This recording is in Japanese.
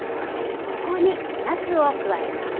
ここになすを加えます。